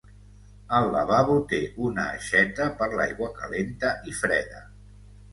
El lavabo té una aixeta per l'aigua calenta i freda